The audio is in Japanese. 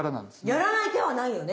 やらない手はないよね。